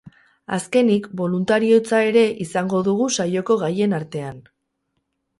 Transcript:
Azkenik, boluntariotza ere izango dugu saioko gaien artean.